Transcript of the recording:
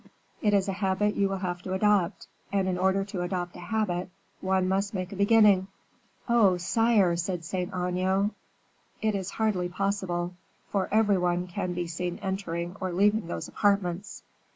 It is a habit you will have to adopt, and in order to adopt a habit, one must make a beginning." "Oh, sire!" said Saint Aignan, "it is hardly possible: for every one can be seen entering or leaving those apartments.